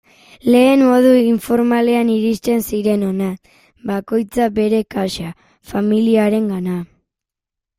Lehen modu informalean iristen ziren hona, bakoitza bere kasa, familiarengana...